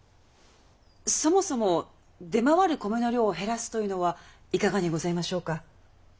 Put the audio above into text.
そもそも出回る米の量を減らすというのはいかがにございましょうか。